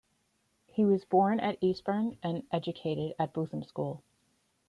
He was born at Eastbourne and educated at Bootham School.